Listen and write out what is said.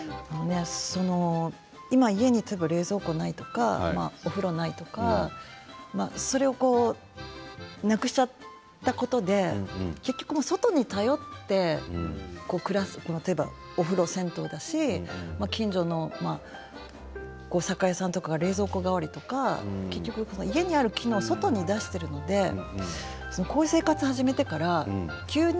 今家に例えば冷蔵庫ないとかお風呂がないとかそれをなくしちゃったことで結局外に頼って暮らすお風呂は銭湯だし近所の酒屋さんは冷蔵庫代わりだし家にある機能を外に出しているのでこういう生活をして急に